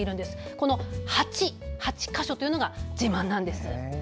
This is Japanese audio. この８か所というのが自慢なんです。